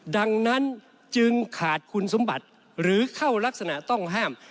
ดังนั้นจึงขาดคุณสมบัติหรือเข้ารักษณะต้องห้าม